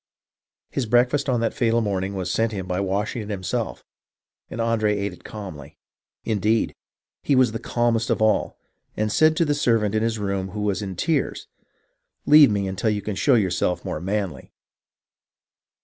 His breakfast on that fatal morning was sent him by Washington himself, and Andre ate it calmly. Indeed, he was the calmest of all, and said to the servant in his room, who was in tears, " Leave me until you can show yourself more manly."